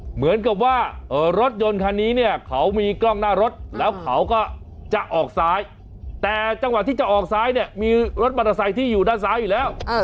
เหมือนกับว่ารถยนต์คันนี้เนี่ยเขามีกล้องหน้ารถแล้วเขาก็จะออกซ้ายแต่จังหวะที่จะออกซ้ายเนี่ยมีรถมอเตอร์ไซค์ที่อยู่ด้านซ้ายอยู่แล้ว